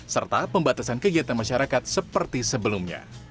serta pembatasan kegiatan masyarakat seperti sebelumnya